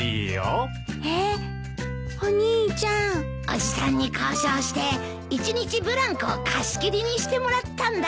おじさんに交渉して一日ブランコを貸し切りにしてもらったんだ。